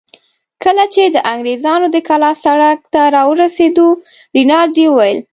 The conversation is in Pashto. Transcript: کله چې د انګرېزانو د کلا سړک ته راورسېدو، رینالډي وویل.